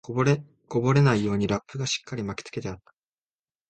こぼれないようにラップがしっかり巻きつけてあった